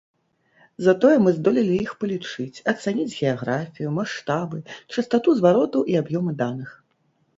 Затое мы здолелі іх палічыць, ацаніць геаграфію, маштабы, частату зваротаў і аб'ёмы даных.